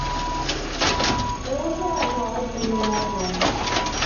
It also went gold in The Netherlands.